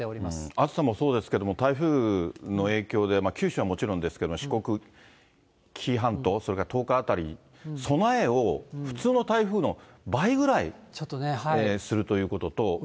暑さもそうですけど、台風の影響で、九州はもちろんですけども、四国、紀伊半島、それから東海辺り、備えを普通の台風の倍ぐらいするということと。